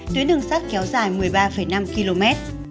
tuyến đường sắt kéo dài một mươi ba năm km